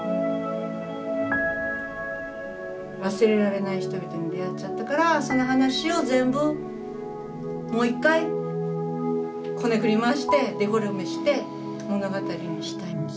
忘れられない人々に出会っちゃったからその話を全部もう一回こねくり回してデフォルメして物語にしたいんです。